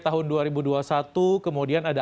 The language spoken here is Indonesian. tahun dua ribu dua puluh satu kemudian ada